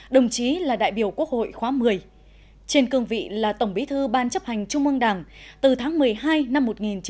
đồng chí là đại biểu quốc hội khóa một mươi trên cương vị là tổng bí thư ban chấp hành trung ương đảng từ tháng một mươi hai năm một nghìn chín trăm bảy mươi